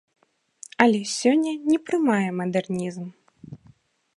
Але сёння не прымае мадэрнізм.